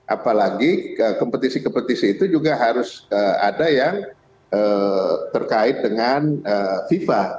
apalagi kompetisi kompetisi itu juga harus ada yang terkait dengan fifa